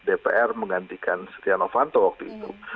terpilih sebagai ketua dpr menggantikan setia novanto waktu itu